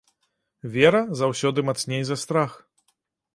Вера заўсёды мацней за страх.